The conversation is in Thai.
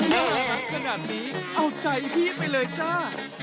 น่ารักขนาดนี้เอาใจพี่ไปเลยจ้า